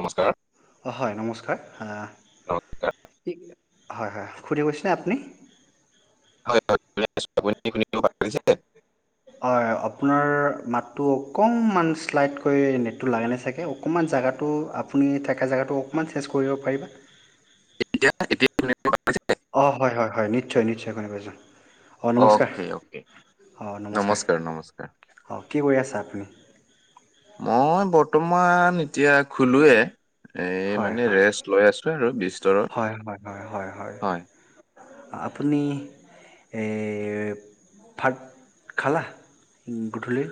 নমস্কাৰ। অঁ, হয় নমস্কাৰ, নমস্কাৰ কি হয়, হয়, শুনি আছে নে আপুনি? [unintelligible] হয়, আপোনাৰ মাতটো অকণমান শ্লাইডকৈ নেটটো লাগে নাই চাগে। অকণমান জেগাটো, আপুনি থাকা জেগাটো অকণমান চেঞ্জ কৰিব পাৰিবা? এতিয়া, এতিয়া [unintelligible] অ, হয়, হয়, হয়, নিশ্চয়, নিশ্চয়। [unintelligible] অঁ নমস্কাৰ, অ'কে অ'কে অঁ নমস্কাৰ, অঁ, কি কৰি আছা আপুনি? মই বৰ্তমান এতিয়া সোলোৱে। এ, হয় মানে হয় ৰেষ্ট লৈ আছো আৰু বিচতৰত। হয় হয় হয় হয় হয়। আপুনি! এই ভাত খালা গধূলি?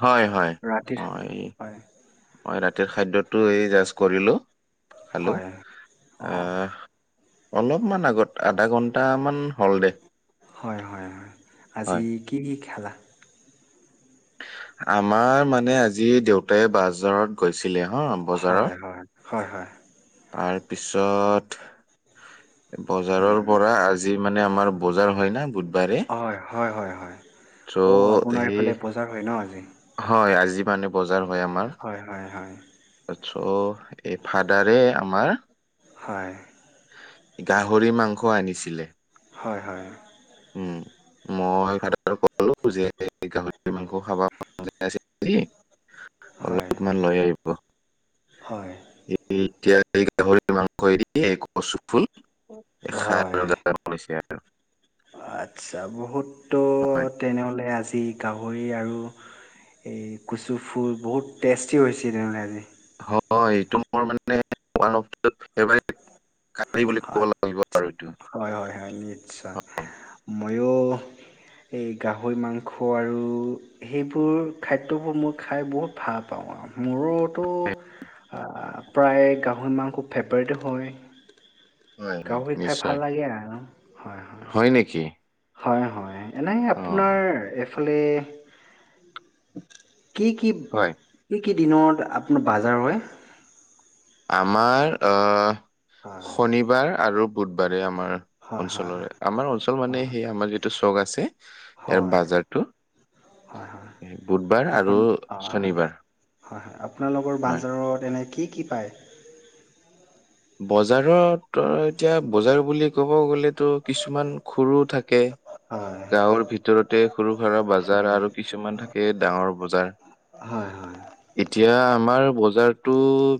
হয়, হয়, ৰাতিৰ মই হয় মই ৰাতিৰ খাদ্যটো এই জাষ্ট কৰিলোঁ, খালো। হয় অঁ আহ। অলপমান আগত আধা ঘন্টামান হ'ল দে। হয়, হয়, হয়, আজি হয় কি দি খালা? আমাৰ মানে আজি দেউতাই বাজাৰত গৈছিলে হা, হয়, বজাৰত, হয়, হয়, হয়। তাৰপিছত বজাৰৰ উম, পৰা, আজি মানে আমাৰ বজাৰ হয় ন, বু হয়, হয়, হয়, হয়, অঔ সেই আপোনাৰফালে বজাৰ হয় ন আজি! হয়, আজি মানে বজাৰ হয় আমাৰ। হয়, হয়, হয়। তাৰপাছত, এই ফাদাৰে আমাৰ হয়। গাহৰি মাংস আনিছিলে। হয়, হয়। উম, মই ফাদাৰক ক'লো যে, গাহৰি মাংস খাব মন যাই আছে। হয়, অলপমান লৈ আহিব। হয়, এতিয়া এই গাহৰিৰ মাংসয়ে দি কচু ফুল হয়। [unintelligible] বনাইছে আৰু। আচ্ছা! বহুততো হয় তেনেহ'লে আজি গাহৰি আৰু এই কচু ফুল বহুত টেষ্টি হৈছে তেনেহ'লে আজি। [unintelligible] ক'ব লাগিব আচ্ছা, আৰু এইটো হয়, হয়, হয়, নিশ্চয়। ময়ো এই গাহৰি মাংস আৰু সেইবোৰ খাদ্যবোৰ মই খাই বহুত ভাল পাওঁ আৰু মোৰোইটো হয় প্ৰায়, গাহৰি মাংস ফেভৰেট হয়। হয় গাহৰি খাই নিশ্চয় ভাল লাগে আৰু ন', হয়, হয়। হয় নেকি। হয়, হয় এনে অ' আপোনাৰ এইফালে কি, কি, হয়। কি, কি দিনত আপোনাৰ বাজাৰ হয়? আমাৰ আ' হয় শনিবাৰ আৰু বুধবাৰে আমাৰ হয় হয় অঞ্চলৰে, আমাৰ অঞ্চল মানে সেই আমাৰ যিটো চক আছে হয় ইয়াৰ হয় বাজাৰটো হয় হয় বুধবাৰ আৰু আপোন হয় শনিবাৰ হয়, হয় আপোনালোকৰ হয়। বাজাৰত এনে কি কি পায়? বজাৰত এতিয়া বজাৰ বুলি ক'ব গ'লে টো কিছুমান সৰু থাকে হয় গাঁৱৰ ভিতৰতে সৰু সুৰা বজাৰ আৰু কিছুমান থাকে ডাঙৰ বজাৰ হয় হয় এতিয়া আমাৰ বজাৰটো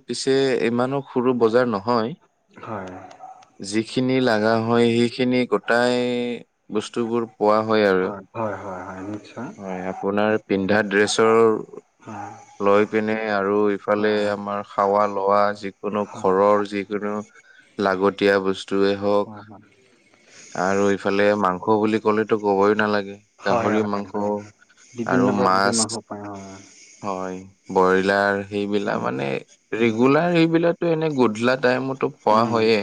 পিছে ইমানো সৰু বজাৰ নহয়। হয়। হয়, হয়। যিখিনি লাগা হয় সেইখিনি গোটাই বস্তুবোৰ পোৱা হয় আৰু হয়, হয়, হয় নিশ্চ হয় আপোনাৰ পিন্ধা হয় ড্ৰেছৰ লৈ পিনে আৰু ইফালে হয় আমাৰ খাৱা লোৱা যিকোনো হয় ঘৰৰ যিকোনো লাগতিয়া বস্তুয়ে মোক হয় হয় আৰু ইফালে মাংস বুলি ক'লেতো কবই নালাগে উম' হয় হয় গাহৰি মাংস হয়, আৰু বিভিন্ন প্ৰজাতিৰ মাছ মাংস পায় অ' হয়, বইলাৰ সেইবিলাক উম মানে উম ৰেগুলাৰ সেইবিলাক টো এনে গধুলা টাইমতো উম পোৱা উম হয়ে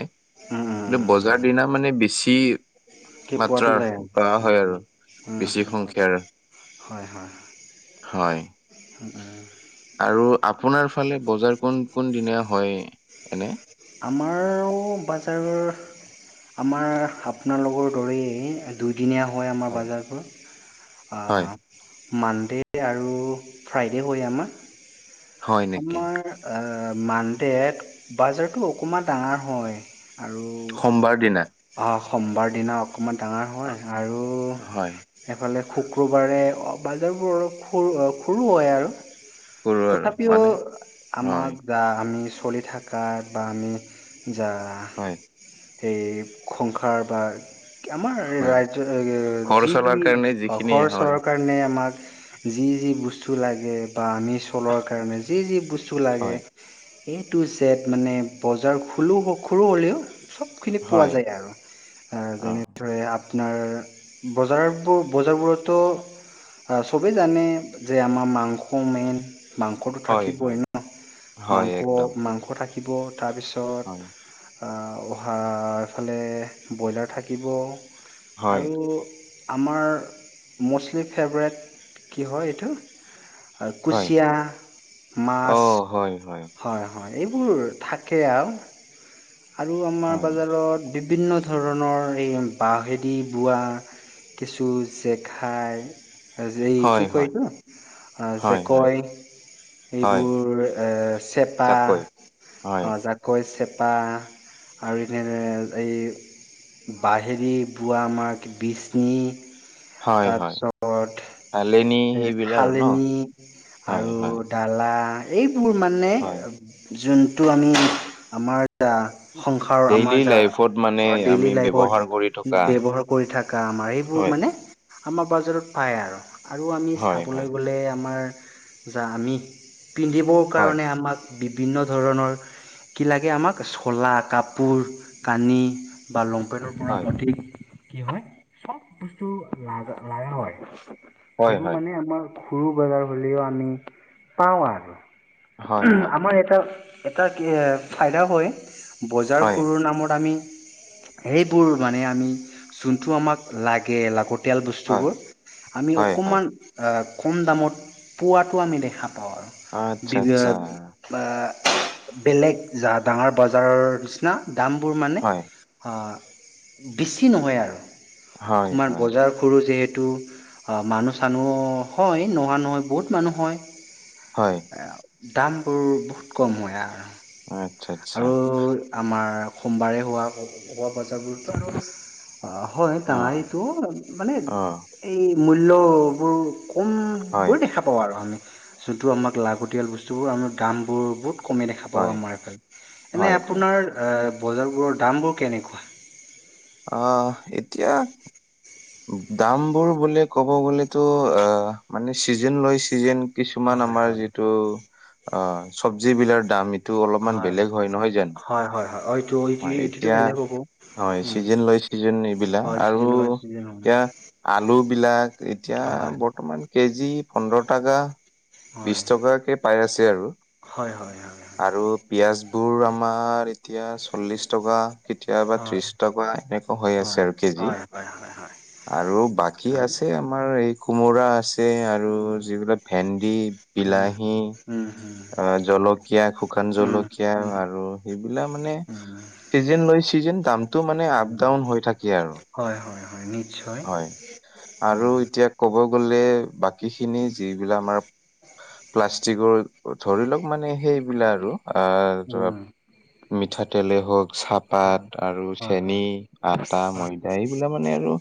কিন্তু উম বজাৰ উম দিনা মানে বেছি কি পোৱাতো মাত্ৰা যায় আৰু পোৱা উম হয় আৰু উম বেছি উম উম সংখ্যয়াৰ হয়, হয়। হয়। উম উম আৰু আপোনাৰ ফালে বজাৰ কোন, কোন দিনীয়া হয় এনে আমাৰ ও' বাজাৰৰ আমাৰ আপোনালোকৰ দৰেই দুইদিনীয়া হয় আমাৰ বাজাৰবোৰ হয়, আ' মানডে আৰু ফ্ৰাইডে' হয় আমাৰ, হয় নেকি? আমাৰ মানডেত বাজাৰটো অকণমান ডাঙৰ হয়। আৰু সোমবাৰ দিনা অ' সোমবাৰ দিনা অকমান ডাঙৰ হয় আৰু হয় সেইফালে শুক্ৰবাৰে, বাজাৰবোৰ অলপ সৰু হয়, সৰু হয় আৰু। কৰোঁ আৰু তথাপিও মানে হয়। আমাৰ বা আমি চলি থাকা বা আমি যা হয়। এই সংসাৰ বা কেমাৰ হয়, ৰাজ্য থাকে ঘৰ যি চলাৰ তি কাৰণে যিখিনি ঘৰ চৰ হয়। সেই কাৰণে আমাক যি, যি বস্তু লাগে বা আনিছো তলৰ কাৰণে যি যি বস্তু লাগে। হয়। এইটো জেত মানে। বজাৰ খো সৰু হ'লেও চবখিনি পোৱা হয়, যায় আৰু অ', যেনে আপোনাৰ বজাৰবোৰ বজাৰবোৰতো চবেই জানে যে, আমাৰ মাংস মেইন। মাংসটো হয়, থাকিবই হয়, ন, হয় মাংস একদম। মাংস থাকিব তাৰপিছ হয়। অ', উহাৰফালে ব্ৰইলাৰ থাকিব হয়, আৰু আমাৰ ম'ষ্টলি ফেভৰেট কি হয়? এইটো হয়, কুচিয়া, মাছ। অ', হয়, হয়। হয়। এইবোৰ থাকে, আৰু আৰু আমাৰ হয়। বজাৰত বিভিন্ন ধৰণৰ এই বাঁহহেদি বোৱা কিছু জেখাই এই কি হয়, কয়, হয়, এইটো [unintelligible] যে হয়, হয়, কয় হয়, এইবোৰ এ, চেপা, তাকৈ হয়, জাকৈ, চেপা আৰু এনে [unintelligible] এই বাহেৰি বোৱা আমাৰ বিচনি। হয়, হয়। তাৰপিছত আলেনি এ, সেইবিলাক আৰু ন' খালেনী হয়, আৰু হয়, দালা এইবোৰ মানে হয়। যোনটো আমি আমাৰ সংসাৰ ডেইলি আমাৰ য, লাইফত মানে আমি ডেইলি ব্যৱহাৰ কৰি থকা লাইফত ব্যৱহাৰ কৰি থকা আমাৰ এইবোৰ হয়, মানে আমাৰ বজাৰত পায়, আৰু আৰু আমি হয়, চাবলৈ হয়। গ'লে আমাৰ য, আমি পিন্ধিবৰ হয়, কাৰণে আমাক বিভিন্ন ধৰণৰ কি লাগে? আমাক চলা কাপোৰ কানি, বা লংপেটৰ পৰা হয়, অধিক কি হয়। চব বস্তু লা লা হয়। হয়, সেইবোৰ হয়, মানে আমাৰ সৰু বজাৰ হ'লেও আমি পাওঁ আৰু হয়, হয়, আমাৰ এটা এটা ফাইদা হয়। বজাৰ হয়, খুৰৰ নামত আমি। সেইবোৰ মানে আমি যোনটো আমাক লাগে, লাগত হটেল হয়, বস্তুবোৰ আমি হয়, হয়। অকণমান আহ', কম দামত পোৱাাতটো আমি দেখা পাওঁ আৰু আচ্ছা, বি আচ্ছা। বা বেলেগ যা, ডাঙৰ বজাৰৰ নিচিনা দামবোৰ মানে। হয়, অ', বেছি নহয় আৰু হয়, অকণমান হয়, বজাৰ সৰু যিহেতু মানুহ চানুহ হয়। নোহোৱা নহয় বহুত মানুহ হয়। হয়। দামবোৰ বহুত কম হয় আৰু আচ্ছা, আচ্ছা। আৰু আমাৰ সোমবাৰে হোৱা ক, বজাৰবোৰত আৰু অ', হয়। অ', ডাঙাৰীটো মানে অ', এই মূল্যবোৰ হয়, কমবোৰে দেখা পাওঁ, আৰু আমি যোনটো আমাক লাগতিয়াল বস্তুবোৰ আমি দামবোৰ বহুত কমি দেখা পাওঁ, হয়, আমাৰফালে এনে হয়, হয়। আপোনাৰ বজাৰবোৰৰ দামবোৰ কেনেকুৱা? অ', এতিয়া দাম বোৰ বোলে, ক'ব গ'লেতো অ, মানে চিজন লৈ চিজন। কিছুমান হয় আমাৰ হয় যিটো অ, চবজ বিলাৰ দাম। এটু অলপ মান ব্লেগ হয়, নহয় জানো? হয় হয় হয় এইটো এইটোতো এতিয়া বেলেগ হ'ব নহয় উম, চিজণ লৈ চিজণ [unintelligible] এইবিলা হয় চিজন আৰু লয় চিজন এতিয়া আলু বিলাক এতিয়া হয়, বৰ্তমান কেজি পোন্ধৰ টকা। বিছ হয়, টকাকে পাই আছে, আৰু হয়, হয়, হয়, হয়, আৰু পিয়াজবোৰ আমাৰ এতিয়া চল্লিশ টকা। কেতিয়াবা হয়, ত্ৰিশ টকা, এনেকুৱা হৈ হয়, আছে আৰু কেজি। হয়, হয়, হয়। আৰু বাকী আচ্ছা। আছে, আমাৰ এই কোমোৰা আছ ছে আৰু উম, যিবিলাক ভেন্দি, উম, বিলাহী। উম হুম। অ', জলকীয়া, শুকান জলকীয়া উম, আৰু সেইবিলাক মানে। চিজেন লৈ, চিজেন দামটো মানে আপ উম ডাউন হৈ থাকে আৰু। হয়, হয়, হয়, নি হয় আৰু এতিয়া কব গ'লে, বাকী খিনি যিবিলাক আমাৰ প্লাষ্টিকৰ, ধৰি লওক মানে সেইবিলাক আৰু আ, উম, ধৰা মিঠাতেলে হওক। হয়, চাহপাত আৰু হয়, হয়, চেনী, হয়, আটা, ময়দা এইবিলাক মানে আৰু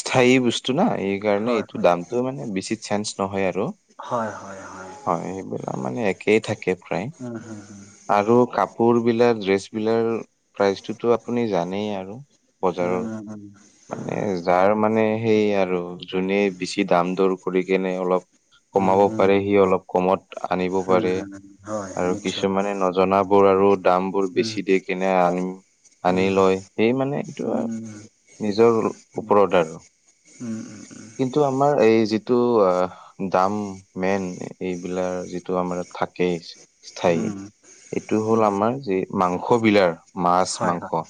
স্থায়ী বস্তু না, এই কাৰণে হয়, এইটো হয়। দামটো মানে বেছি চেঞ্জ নহয় আৰু। ৰু হয়, হয়, হয়, সেইবিলাক মানে একেই থাকে প্ৰায়। উম, হুম, আৰু কাপোৰ বিলাক, ড্ৰেচ বিলাকৰ প্ৰাইচটোতো আপুনি জানেই আৰু। উম, উম, উম। এ, যাৰ মানে সেই আৰু যোনে বেছি দাম দৰ কৰি কেনে অলপ উম, কমাব উম, উম। পাৰে, সি অলপ কমত আনিব উম, উম, উম, পাৰে। উম, হয়, নিশ্চয়। মানে নজনাবোৰ আৰু দাম বোৰ উম, বেছি দি কিনে আন-আনি উম, লয় সেই মানে এইটো উম, নিজৰ ৰুল উম, উম, উম, উম। কিন্তু আমাৰ, এই যিটো আ দাম মেইন, এইবিলাক যিটো আমাৰ থাকেইচ স্থায়ী, উম। এইটো হ'ল উম, আমাৰ যে মাংস বিলাৰ হয়, হয়, মাছ-মাংস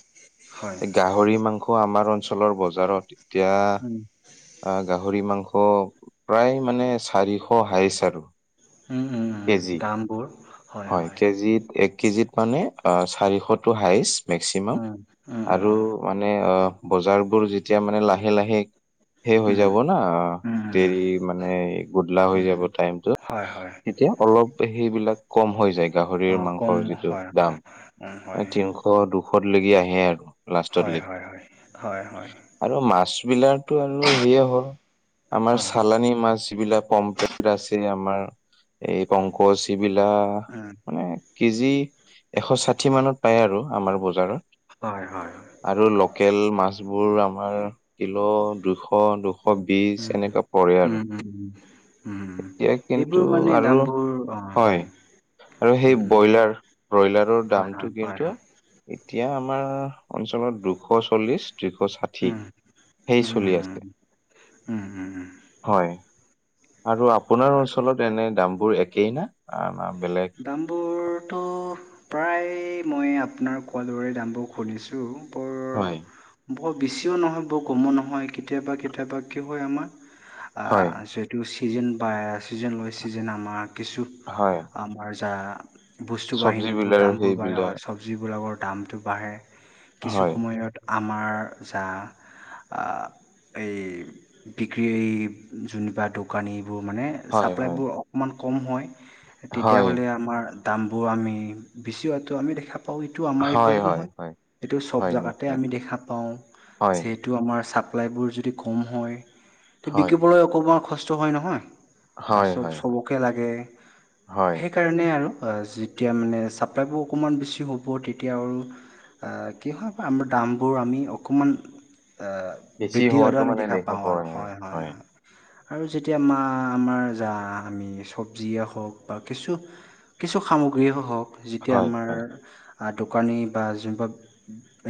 হয়। এই গা হৰি মাংস আমাৰ অঞ্চলৰ বজাৰত এতিয়া উম, আ, গাহৰি মাংস প্ৰায় মানে চাৰিশ হাইচ আৰু। উম, উম। কেজি, হয় কেজিত, এক কেজিত মানে অ', চাৰিশ টো হাইষ্ট। মেক্সিমাম উম, উম, আৰু উম, মানে বজাৰবোৰ যেতিয়া মানে লাহে লাহে সেই হৈ উম, যাব না, উম, উম, উম, উম, দেৰি মানে গুধলা হৈ উম। যাব টাইমটো। হয়, হয়। তেতিয়া অলপ সেইবিলাক কম হৈ যায় গাহৰিৰ অ', কম মাংসৰ যিটো হয়, দাম, হয়, উম, এ, হয়। তিনিশ দুশতলৈকে আহে আৰু লাষ্টত হয়, লেগি হয়, হয়, হয়, হয়। আৰু মাছ বিলাকতো আৰু সেইয়া হ'ল আমাৰ হয়, চালানি মাছ। যিবিলাক কমপ্লেত আছেই আমাৰ। এই [unintelligible] বিলা। উম। কেজি এশ ষাঠি মানত পায় আৰু আমাৰ বজাৰত। হয়, হয়, হয়। আৰু লোকেল মাছবোৰ আমাৰ কিলো দুশ দু- এশ বিশ উম, এনেকুৱা পৰে উম, আৰু। উম, উম, এতিয়া কিন্তু এনেই আৰু দাম বোৰ, অ' হয়। আৰু সেই উম, উম, ব্ৰইলাৰ ব্ৰইলাৰৰ হয়, দামটো হয়, হয়, কিন্তু এতিয়া আমাৰ অঞ্চলত দুশ চল্লিশ দুশ ষাঠি উম, সেই উম, উম, চলি উম, আছে। উম, উম, উম, হয়। আৰু আৰু আপোনাৰ অঞ্চলত এনেই দামবোৰ একেই নে বেলেগ? দামবোৰতো প্ৰায় মই আপোনাৰ কোৱাদৰে দামবোৰ শুনিছো হয়। বৰ বেছিও নহয় বৰ কমো নহয়, কেতিয়াবা কেতিয়াবা কি হয় আমাৰ হয়, আহ টো চিজন পায়, চিজন বায় চিজন আমাৰ কিছু হয়। আমাৰ যা বস্তু চব্জি বাহিনীবোৰ বিলাৰ দামবোৰ বঢ়া সেইবিলাক হয়। চব যিবিলাকৰ দামটো বাঢ়ে, কিছু হয়, সময়ত আমাৰ যা এই বিক্ৰী যেনিবা দোকানীবোৰ মানে হয়, হয়, ছাপ্লাইবোৰ অকণমান ক'ম হয়। হয়, তেতিয়াহ'লে আমাৰ দামবোৰ আমি বেছি হোৱাটো আমি দেখা পা অ' এইটো আমাৰ হয়, এইফালে হয়, নহয়, হয়, এইটো চব হয়, জেগাতে নিশ্চয়, আমি দেখা পাওঁ। যিহেতু হয়, সেইটো আমাৰ ছাপ্লাইবোৰ যদি কম হয়, তে হয়, বিকিবলৈ অকণমান কষ্ট হয় নহয় আচল হয়, চব হয়, হয়, চবকে লাগে। হয়। সেইকাৰণে আৰু, যেতিয়া মানে ছাপ্লাইবোৰ অকণমান বেছি হ'ব তেতিয়া আৰু কি হয় আমাৰ দামবোৰ আমি অকণমান বেছি বৃদ্ধি হোৱাটো হোৱাতো আমি মানে দেখা পাওঁ পোৱা আৰু। যায় হয় হয় হয়। আৰু যেতিয়া মা আমাৰ যা আমি চব্জিয়ে হওঁক বা কিছু কিছু সামগ্ৰীও হওঁক যেতিয়া হয়, আমাৰ হয়, দোকানী বা যিবিলাক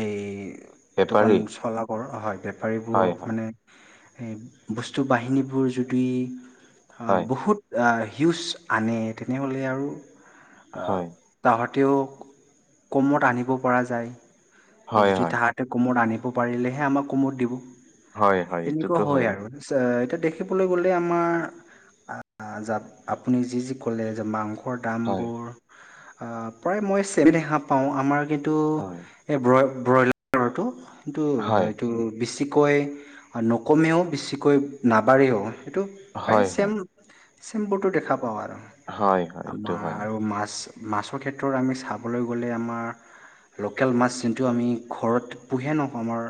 এই দোকান বেপাৰী চলা কৰা হয়। হয়, সেইবোৰক হয়, মানে বস্তু বাহিনীবোৰ যদি হয়, বহুত হিউজ আনে। তেনেহ'লে আৰু হয়, তাহা'তেও কমত আনিব পৰা যায়। হয়, যদি হয়, তাহা'ত তে ক'মত আনিব পাৰিলেহে আমাক ক'মত দিব, হয়, হয়, এনেকুৱা এইটোতো হয় হয়েই, আৰু। চে এতিয়া দেখিবলৈ গ'লে আমাৰ আপুনি যি যি ক'লে যে মাংসৰ হয়, দামবোৰ অ', প্ৰায় মই চেমে হোৱা পাওঁ, আমাৰ কিন্তু হয়, এই ব্ৰলাৰ টো কিটো হয়, এইটো বেছিকৈ নকমেও বেছিকৈ নাবঢ়েও। সেইটো প্ৰায় হয়, চেম হয়, চিম্পুলটো দেখা পাওঁ আৰু, হয়, হয়, এইটো আমাৰ হয়, আৰু মাছ মাছৰ ক্ষেত্ৰত আমি চাবলৈ গ'লে আমাৰ লোকেল মাছ যোনটো আমি ঘৰত পুহে নহওঁ আমাৰ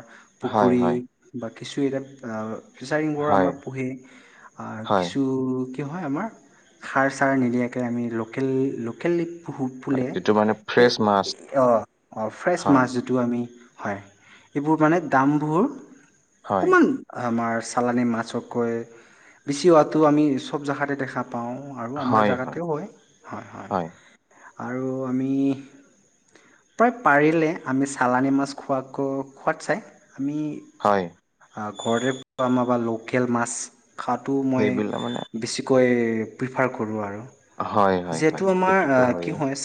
হয়, পুখুৰী হয়, বা কিছু এটা ফিচাৰিংবোৰ হয়, আমাৰ পুহি হয়, কিছু কি হয় আমাৰ সাৰ চাৰ নিদিয়াকৈ আমি লোকেল লোকেল পুহু হয়, বোলে এইটো মানে এই ফ্ৰেছ মাছ অহ ফ্ৰচ হয়, মাছ টো আমি, হয়। এইবোৰ মানে দামবোৰ হয়, অকণমান আমাৰ চালানী মাছতকৈ বেছি হোৱটো আমি চব জেগাতে দেখা পাওঁ। আৰু আমাৰ জেগাতেও হয়। হয়। আৰু আমি প্ৰায় পাৰিলে আমি চালানি মাছ খোৱাকো খোৱাত চাই আমি হয়। আ, ঘৰতে পোৱা বা লোকেল মাছ খাৱাটো মই সেইবিলাক মানে বেছিকৈ প্ৰিফাৰ কৰোঁ আৰু। হয়, হয়, যিহেতু হয়, আমাৰ এইটোতো কি হয়েই। হয়